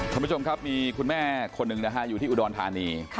คุณผู้ชมครับมีคุณแม่คนหนึ่งนะฮะอยู่ที่อุดรธานี